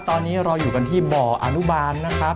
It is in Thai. ตอนนี้เราอยู่กันที่บ่ออนุบาลนะครับ